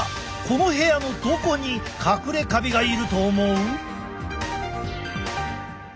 この部屋のどこにかくれカビがいると思う？